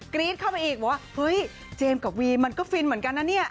รี๊ดเข้าไปอีกบอกว่าเฮ้ยเจมส์กับวีมันก็ฟินเหมือนกันนะเนี่ย